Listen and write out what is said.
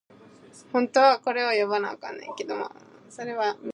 It is clearly evident why the said Barrio named Lumang Bayan means-Old Poblacion.